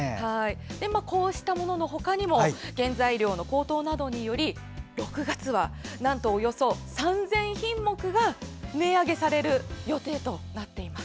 こうしたものの他にも原材料の高騰などにより、６月はなんと、およそ３０００品目が値上げされる予定となっています。